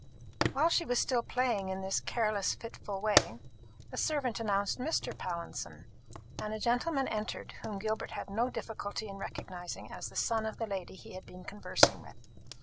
While she was still playing in this careless fitful way, a servant announced Mr. Pallinson; and a gentleman entered whom Gilbert had no difficulty in recognizing as the son of the lady he had been conversing with.